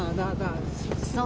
そう。